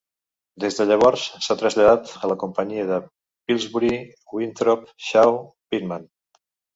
Des de llavors s'ha traslladat a la companyia de Pillsbury, Winthrop, Shaw, Pittman.